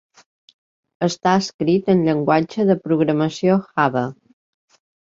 Està escrit en llenguatge de programació Java.